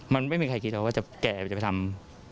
มันไม่มีใครคิดหรอกว่าจะแก่มันจะไปทำ